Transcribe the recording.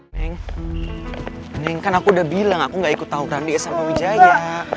neng neng kan aku udah bilang aku gak ikut tau randi sama wijaya